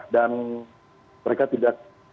dan mereka tidak